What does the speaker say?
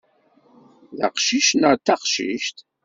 D aqcic neɣ d taqcict?